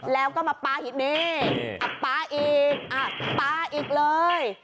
แล้วก็มาป๊านี่ป๊าอีกอ่ะป๊าอีกเลย